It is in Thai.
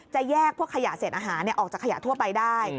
แยกพวกขยะเศษอาหารออกจากขยะทั่วไปได้